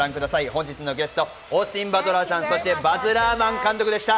本日のゲスト、オースティン・バトラーさん、そしてバズ・ラーマン監督でした。